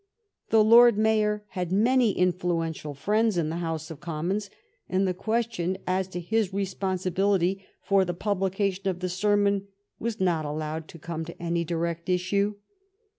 The Lord Mayor had many infiuential friends in the House of Commons, and the question as to his responsibility for the pub lication of the sermon was not allowed to come to any direct issue.